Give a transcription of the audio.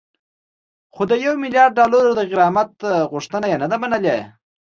خو د یو میلیارد ډالرو د غرامت غوښتنه یې نه ده منلې